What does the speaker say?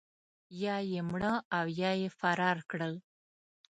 یا یې مړه او یا یې فرار کړل.